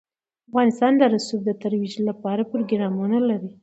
افغانستان د رسوب د ترویج لپاره پروګرامونه لري.